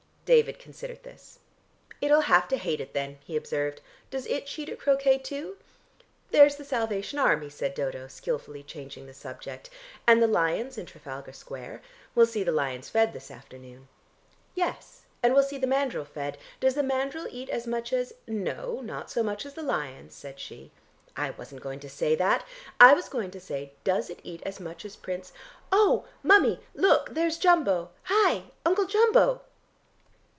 David considered this. "It'll have to hate it then," he observed. "Does it cheat at croquet, too?" "There's the Salvation Army," said Dodo, skilfully changing the subject. "And the lions in Trafalgar Square. We'll see the lions fed this afternoon." "Yes. And we'll see the mandrill fed. Does the mandrill eat as much as " "No, not so much as the lions," said she. "I wasn't going to say that, I was going to say 'does it eat as much as Prince ' Oh, mummy, look. There's Jumbo! Hi! Uncle Jumbo!"